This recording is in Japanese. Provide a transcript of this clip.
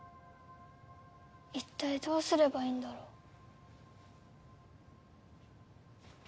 いったいどうすればいいんだろう。